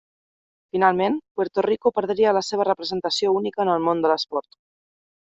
Finalment, Puerto Rico perdria la seva representació única en el món de l'esport.